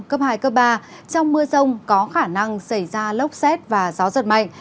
cấp hai ba trong mưa sông có khả năng xảy ra lốc xét và gió giật mạnh